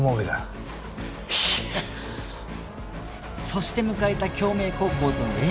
そして迎えた京明高校との練習試合